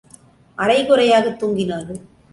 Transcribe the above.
அரை குறையாகத் தூங்கினார்கள்.